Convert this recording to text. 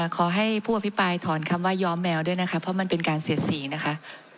ขอให้ผู้อภิปรายถอนคำว่าย้อมแมวด้วยนะคะเพราะมันเป็นการเสียดสีนะคะ